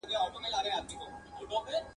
په ټولۍ د ګیدړانو کي غښتلی !.